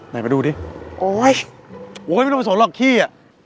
ไหนไปดูดิ